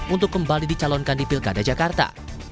untuk kembali dicalonkan di pilkada jakarta